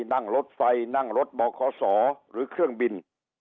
นั่งรถไฟนั่งรถบขศหรือเครื่องบิน